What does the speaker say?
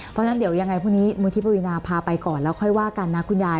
เพราะฉะนั้นเดี๋ยวยังไงพรุ่งนี้มูลที่ปรินาพาไปก่อนแล้วค่อยว่ากันนะคุณยาย